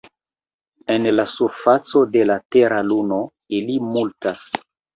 En la surfaco de la Tera Luno ili multas.